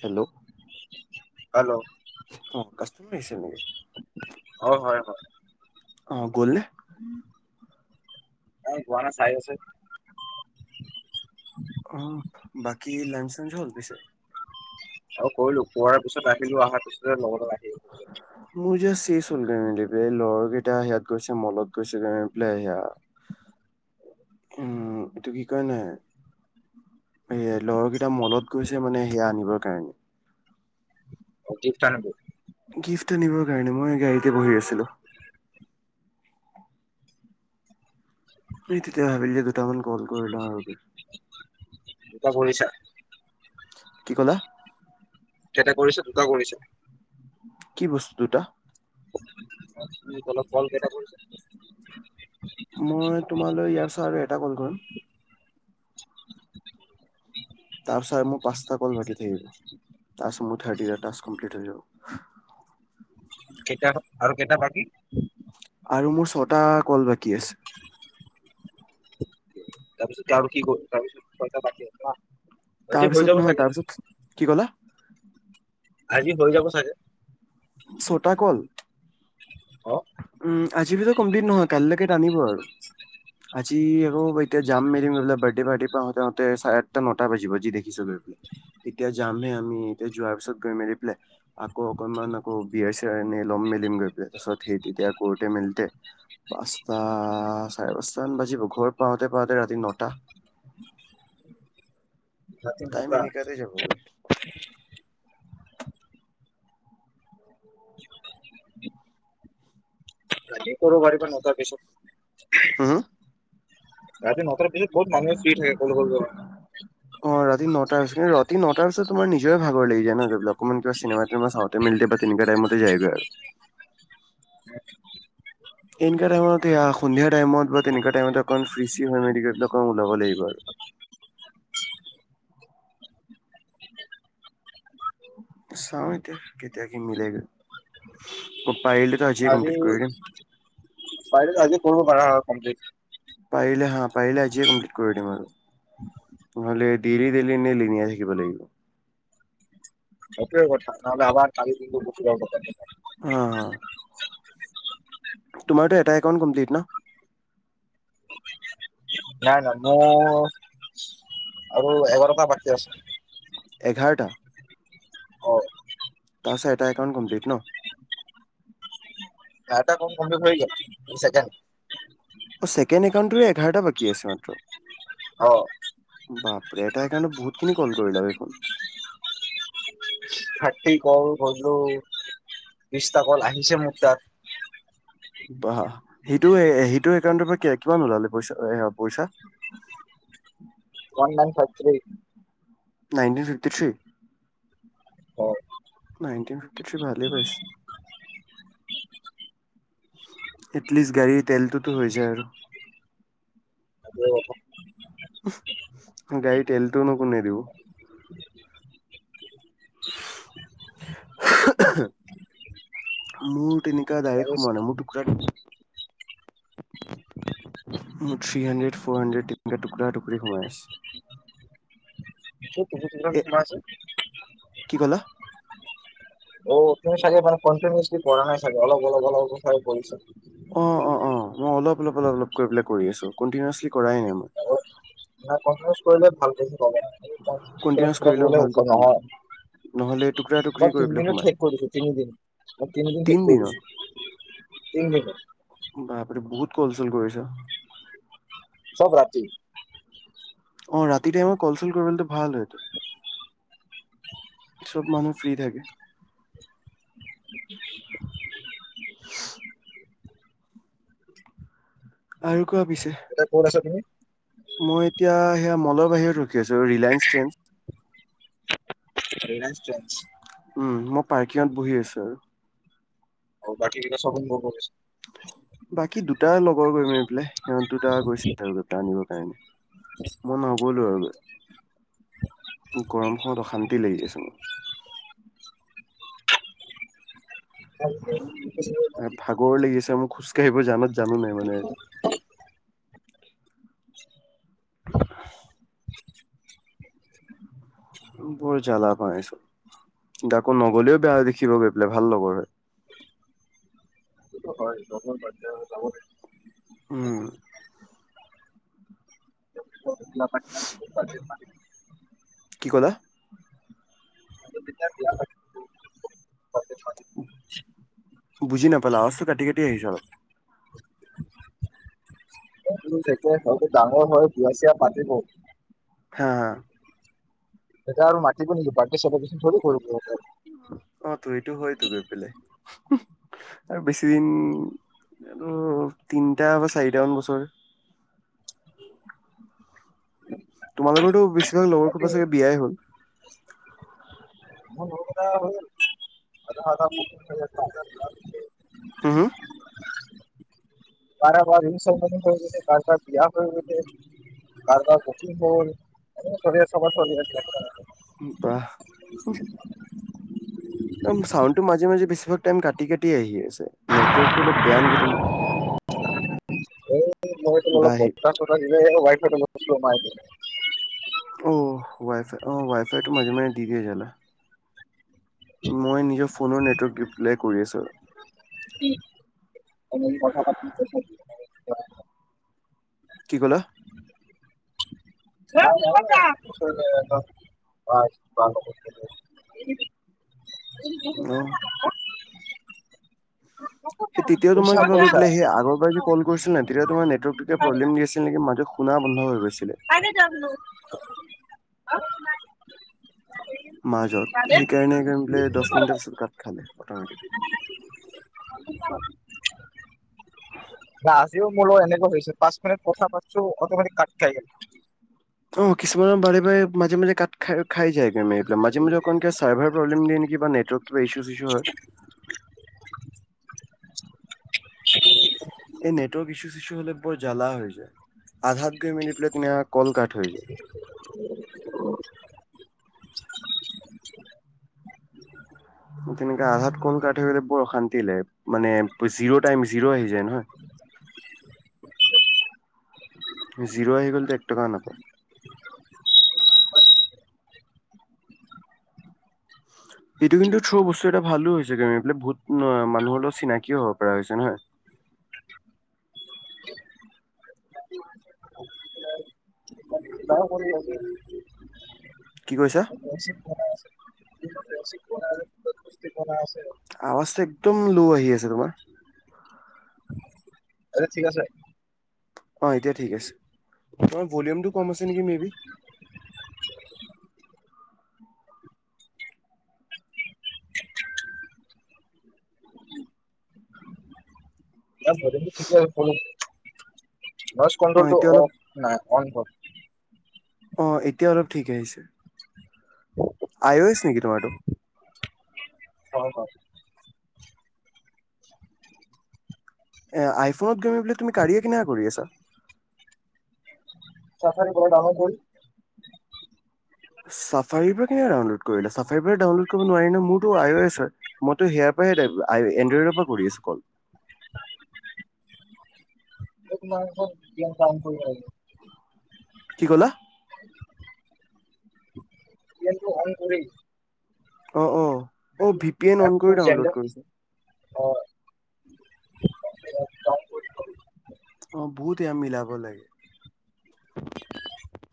Hello hello অঁ customer আহিছে নেকি? হয় হয় হয়। অঁহ গ'ল নে? নাই যোৱা নাই চায় আছে। অঁ বাকী লাঞ্চ চাঞ্চ হ'ল পিছে? আৰু কৰিলো খোৱাৰ পিছত আহিলো আহাৰ পিছতে লগৰ লগ আহিল মোৰ যে শেচ হ'ল গৈ মেলি। এই ল'ৰা কেইটা সিয়াত গৈছে মলত গৈছে গ্ৰামী পাই সেয়া [unintelligible] উম এইটো কি কাৰণে এ লগৰকেইটা মলত গৈছে মানে সেয়া আনিবৰ কাৰণে অ গিফটা অনিব গিফ্ট আনিবৰ কাৰণে মই গাড়ীতে বহি আছিলো। এই তেতিয়া ভাবিলো যে দুটামান কল কৰি লও আৰু কিবা কৰিছা? কি ক'লা? তেতে কৰিছে দুটা কৰিছে কি বস্তুটা আপুনি কল কেইটা কৰিছে? মই তোমালৈ ইয়াৰ পাছত আৰু এটা কল কৰিম। তাৰ পিছত আৰু পাঁচ টকা বাকী থাকিব। তাৰ পাছত থাৰ্টিটা টাকস কমপ্লিট হৈ যাব। কেইটা আৰু কেইটা বাকী আৰু মোৰ ছটা কল বাকী আছে। তাৰ পিছত তাৰ কি কয় ছয় টা বাকী আছে না তাৰ পিছত নহয় তাৰপিছত কি কলা আজি হৈ যাব চাগে? ছ টা কল [inaudible] উম আজি ভিতৰত কমপ্লিট নহয়। কাইলৈকে টানিব আৰু আজি আকৌ এতিয়া যাম মেলিম বোলে বাৰ্থডে পৰা পাওঁতে চাৰে আঠটা নটা বাজিব যি দেখিছো বোলে এতিয়া যামহে আমি এতিয়া যোৱাৰ পিছত গৈ মেলি পেলাই আকৌ অকনমান আকৌ বিয়াৰ চিয়াৰ ল'ম মেলিম গৈ পেলাই পিছত সে তেতিয়া কৰোতে মেলোতে পাঁচটা চাৰে পাঁচ মান বাজিব ঘৰ পাওঁতে পাওঁতে ৰাতি নটা ৰাতি টাইম নটা এনেকাতে যাবগৈ [inaudible] কৰবাৰী পৰা নটাৰ পিছত হ হ তাৰিৰ নটাৰ পিছত বহুত মানুহে ফি থাকে কল অ ৰাতি নটাৰ পিছত। ৰাতি নটাৰ পিছত তোমাৰ নিজে ভাগৰ লাগি যায় ন গৈ পেলাই। অকমান কিবা চিনেমা চিনেমা চাওঁতে মেলোতে বা তেনেকো টাইমতে যায়গৈ আৰু উ এনেকা টাইমত সেয়া সন্ধিয়া টাইমত বা তেনেকুৱা টাইকতে অকমান ফ্ৰী চিৰী হৈ মডিকেলক ওলাব লাগিব আৰু [inaudible] চাও এতিয়া কেতিয়া কি মিলেগৈ পাৰিলেতো আজিয়ে আজি কমপ্লিট কৰি দিম। পাৰিলে আজি কৰিব পাৰা হয় কমপ্লিট। পাৰিলে হা পাৰিলে আজিয়ে কমপ্লিট কৰিব দিম আৰু। দেৰি দেৰি নে লেনিয়াই থাকিব লাগিব। সেইটো কথা নহলে আমাৰ কালি কিন্তু বচ কথা নাই তোমাৰটো এটা একাউণ্ট কমপ্লিট ন? নাই নাই মোৰ আৰু এঘাৰটা বাকী আছে। এঘাৰটা অ তাৰপিছত এটা একাউণ্ট কমপ্লিট ন? এটা কম কমপ্লিট হৈ গল। চেকেণ্ড অ ছেকেণ্ড একাউণ্টটোৰে এঘাৰটা বাকী আছে মাত্ৰ অ বাপৰে এটাই একাউণ্টত বহুতখিনি কল কৰিলো দেখোন থাৰ্টি কল কৰিলোঁ বিস্তা কল আহিছে মোক তাত বাহ সেইটো সেইটো একাউণ্টৰ পৰা কিমান ওলালে পইচা পইচা one nine five three nineteen fifty three অ নাইনটি ফিফটি থ্ৰী ভালেই পাইছে এটলিষ্ট গাড়ীৰ তেলটোতো হৈ যায় আৰু [unintelligible] গাড়ীত তেলটোনো কোনে দিব মোৰ তেনেকা দাইৰেক্ট সোমোৱাই মোৰ টুকোৰা [inaudible] মোৰ থ্ৰী হাণ্ড্ৰেড ফ'ৰ হাণ্ড্ৰেড তেনেকা টুকৰা টুকুৰি সোমাই আছে [inaudible] কি টুকুৰ টুকুৰা এ সোমাই আছে কি কলা অ তুমি চাগে মানে কণ্টিনিউলি কৰা নাই চাগে অলপ অলপ অলপ হৈ কৰিছা অ অ অ মই অলপ অলপ অলপ অলপ কৰি আছো কণ্টিনিৱাচলি কৰাই নাই মই কণ্টিনিৱাছলি কৰিলে ভাল পইছা পাবা টুকুৰা কণ্টিনিউৱাচ কৰি টুকুৰ লওঁ কৰিলে ভালকৈ সোমাই নহ'লে টুকুৰা নহয় টুকুৰি মই কৰি পেলাই তিনিদিনত সোমাই শেষ কৰি দিছোঁ তিনিদিন মই তিনিদিন তিন শেষ কৰি দিনত। দিছোঁ বাপৰে বহুত কলচোন কৰিছাঁ চব ৰাতি অ ৰাতি টাইমট কলফিল কৰিবলেটো ভাল হয়টো। চব মানুহ ফ্ৰী থাকে। [unintelligible] আৰু কোৱা পিছে এতিয়া ক'ত আছা তুমি মই এতিয়া সেয়া মলৰ বাহিৰত ৰখি আছো ৰিলায়ন্স ট্ৰেণ্ডছ ৰিলায়ন্স ট্ৰেণ্ডছ উম মই পাৰ্কিঙত বহি আছো আৰু আৰু বাকী কেইটা শ্বপিং মলৰ নিচিনা। বাকী দুটা লগৰ কৰি মাৰি পেলাই সিহঁত দুটা গৈছে আৰু গৈ পেলাই আনিবৰ কাৰণে মই নগলো আৰু গৰম খনত অশান্তি লাগি আছে মোৰ [unintelligible] এ ভাগৰ লাগিছে মোক খোজ কাঢ়িব জানত জানো নাই মানে [unintelligible] [inaudible] বৰ জালা পাইছোঁ আকৌ নগলেও বেয়া দেখিব গৈ পেলাই ভাল লগৰ হয় [inaudible] সেইটো হয় লগৰ বাৰ্থডে হলে যাব লাগে। উম [unintelligible] কি ক'লা বিয়া বুজি নাপালা আৱাজটো কাটি কাটি আহিছে অলপ [inaudible] থে হয়তো ডাঙৰ হয় বিয়া চিয়া পাতিবই। হা তেতিয়া আৰু মাটিব [unintelligible] অ তো এইটো হয়তো বেলেগ আৰু বেছি দিন আৰু তিনটা বা চাৰিটা মান বছৰ উ তোমালোকৰ লগৰতো বেছিভাগ লগৰ খোবা ছাগে বিয়াই হ'ল [unintelligible] হুম হুম কাৰোবাৰ ৰিংচেৰীমনি হৈ গৈছে কাৰোবাৰ বিয়া হৈ গৈছে। কাৰব কুকিং হল [unintelligible] বাহ ছাউণ্ড টো মাজে মাজে বেছি ভাগ টাইম কাটি কাটি আহিয়ে চে নেটৱৰ্ক টো অলপ বেয়া নেকি তোমাৰ। ই বা অলপ আহি বতাহ চতা দিলে [unintelligible] অ ৱাইফাই অ ৱাইফাইটো মাজে মাজে দিক জালা মই নিজৰ ফোনৰ নেটৱৰ্ক ডিপেলাই কৰি আছোঁ। কি কথা পাতিবি ব কি কৈছ কি ক'লা অ' [unintelligible] [inaudible] ব [unintelligible] সেইতেতিয়া তোমাৰ কিবা কৰি পেলাই সেই আগৰপা কল কৰিছিল নে তেতিয়া তাৰ নেটৱৰ্ক প্ৰব্লেম দিছিল নে ম [unintelligible] শুনা বন্ধ হৈ গৈছিল আৰু যাম টো মাজত সেইকাৰণে বোলে দহ মিনিটৰ পিছত গাত খালে অটমেটিক হয় আজিও মোৰ লগত এনেকোৱা হৈছে পাঁচ মিনিট কথা পাতিছোঁ অতমিতিক খিনি কাট খাই যাই অ কিছুমানৰ বাৰে বাৰে মাজে মাজে কাত খাই খাই যায়গৈ মমে এইবিল মাজে মাজে অকণ কিয় চাৰ্ভাৰ প্ৰব্লেম দিয়ে নেকি নেটৱৰ্ক কিবা ইু ইছু হয় [inaudible] এই নেটৱৰ্ক ইছ্যু চ ইিছ্যু হলে বৰ জ্বালা হৈ যায় আধাত গৈ মিলি প্লেট না কল কাট হৈ যায় [inaudible] তেনেকে আধাত কল কাতিলে বৰ অশান্তি মানে জিৰ টাইম জিৰ' আহি যায় নহয় জিৰ' আহি গ'লতো এক টকা নাপায় [inaudible] এইটো কিন্তু থ্ৰ বস্তু এটা ভালো হৈছে গম এইলে বহুত মানুহৰ লগত চিনাকিও হব পৰা হৈছে নহয় [inaudible] ন ক ল [unintelligible] কি কৈছা আ আছে [unintelligible] আৱাজটো একদম লো আহি আছে তোমাৰ আ ঠিক আছে অ এতিয়া ঠিক আছে তমাৰ ভলিউমটো কম আছে নেকি মে বি [inaudible] নাই ভলিউম ঠিকে আছে নইজ অ' কন্ট্ৰলটো এতিয়া অলপ অফ নাই অন কৰ অ এতিয়া অলপ ঠিক আহিছে আই অ' এছ নেকি তোমাৰটো? হয় হয় এ আইফোনত তুমি বুলি তুমি কাড়িয়া কেনেকে কৰি আছা চাফাৰি পৰা কৰি ডাউনলোড কৰি চাফাৰি পৰা কেনে ডাউনলোড কৰিলা চাফাৰি পৰা ডাউনলোড কৰিব নোৱাৰি ন মোৰো আইৱাফ হয় মইটো এড্ৰইডৰ পৰা কৰি আছ কল [inaudible] এক মাহ হ'ল এইয়াত কাম কৰি থকা কি ক'লা ভিপি অন কৰি [unintelligible] অ অ অ ভি পি এন অন কৰি ডাউনলোড কৰিছে অ [unintelligible] অ' বহুত য়া মিলাব লাগে [unintelligible]